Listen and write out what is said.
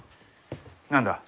何だ？